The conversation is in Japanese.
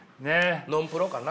ノンプロかな。